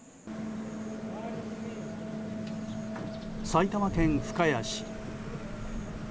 埼玉県深谷市。